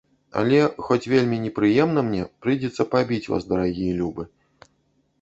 Але, хоць вельмі непрыемна мне, прыйдзецца пабіць вас, дарагі і любы.